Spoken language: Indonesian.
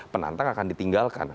penantang akan ditinggalkan